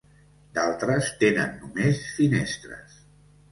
D'altres tenen només finestres.